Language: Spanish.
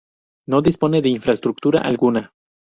No dispone de infraestructura alguna.